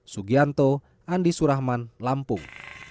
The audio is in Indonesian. sugianto andi surahman lampung